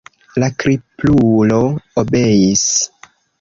La kriplulo obeis.